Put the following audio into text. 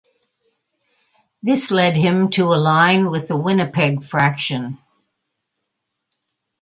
This led him to align with the Winnipeg fraction.